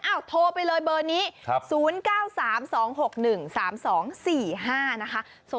อ้าวโทรไปเลยเบอร์นี้ครับศูนย์เก้าสามสองหกหนึ่งสามสองสี่ห้านะคะ